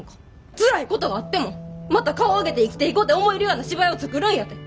つらいことがあってもまた顔上げて生きていこて思えるような芝居を作るんやて。